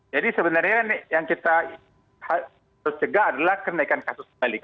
jadi sebenarnya yang kita harus cegah adalah kenaikan kasus kembali